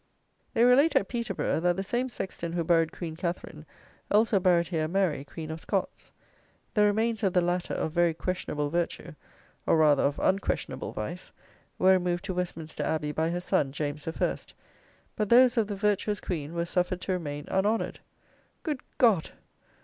They relate at Peterborough, that the same sexton who buried Queen Catherine, also buried here Mary, Queen of Scots. The remains of the latter, of very questionable virtue, or, rather, of unquestionable vice, were removed to Westminster Abbey by her son, James the First; but those of the virtuous Queen were suffered to remain unhonoured! Good God!